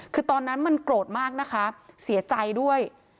คือตอนนั้นมันโกรธมากนะคะเสียใจด้วย